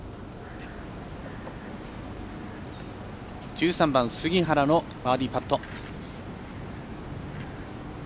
１３番、杉原のバーディーパット。